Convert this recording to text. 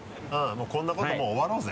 こんなこともう終わろうぜ。